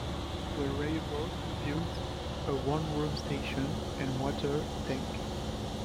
The railroad built a one-room station and water tank.